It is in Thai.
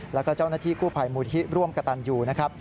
แล้วก็เจ้าหน้าที่กู้ภัยมูลที่ร่วมกระตันยูนะครับ